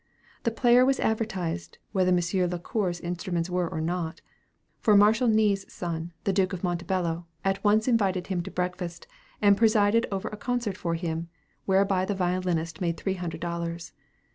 The player was advertised, whether Monsieur Lacour's instruments were or not; for Marshal Ney's son, the Duke of Montebello, at once invited him to breakfast, and presided over a concert for him, whereby the violinist made three hundred dollars.